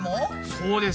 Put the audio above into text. そうです。